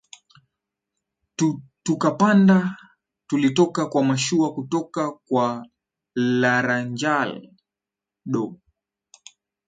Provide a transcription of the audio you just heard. tukapandaTulitoka kwa mashua kutoka kwa Laranjal do